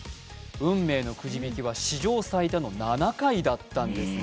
運命のくじ引きは史上最多の７回だったんです。